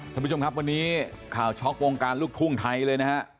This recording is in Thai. ท่านผู้ชมครับวันนี้ข่าวช็อกวงการลูกทุ่งไทยเลยนะฮะ